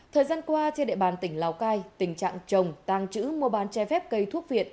thời gian qua trên địa bàn tỉnh lào cai tình trạng trồng tăng trữ mua bán che phép cây thuốc viện